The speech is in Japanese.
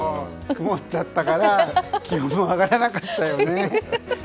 曇っちゃったから気温も上がらなかったよね。